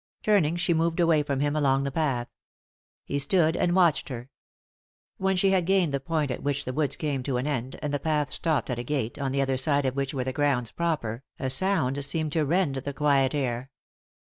Turning, she moved away from him along the path. He stood and watched her. When she had gained the point at which the wood came to an end, and the path stopped at a gate, on the other side of which were the grounds proper, a sound seemed to rend the quiet air.